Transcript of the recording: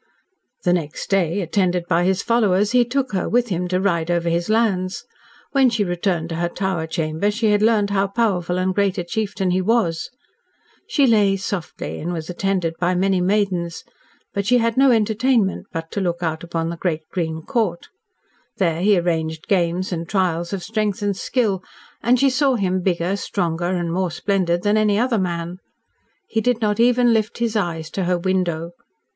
"The next day, attended by his followers, he took her with him to ride over his lands. When she returned to her tower chamber she had learned how powerful and great a chieftain he was. She 'laye softely' and was attended by many maidens, but she had no entertainment but to look out upon the great green court. There he arranged games and trials of strength and skill, and she saw him bigger, stronger, and more splendid than any other man. He did not even lift his eyes to her window.